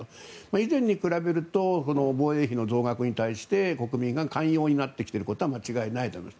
以前に比べると防衛費の増額に対して国民が寛容になってきていることは間違いないと思います。